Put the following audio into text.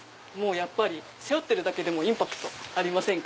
やっぱり背負ってるだけでもインパクトありませんか？